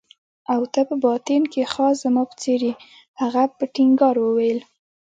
او ته په باطن کې خاص زما په څېر يې. هغه په ټینګار وویل.